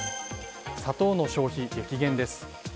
砂糖の消費激減です。